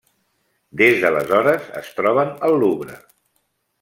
Des d'aleshores es troben al Louvre.